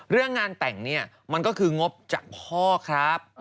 เรื่องงานแต่งเนี่ยมันก็คืองบจากพ่อครับ